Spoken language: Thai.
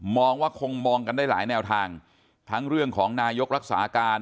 ว่าคงมองกันได้หลายแนวทางทั้งเรื่องของนายกรักษาการ